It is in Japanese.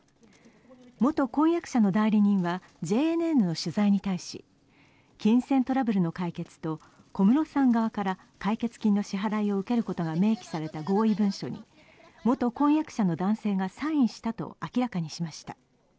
元婚約者の代理人はＪＮＮの取材に対し金銭トラブルの解決と小室さん側から解決金の支払いを受けることが明記された合意文書に元婚約者の男性がサインしたと明らかにしました。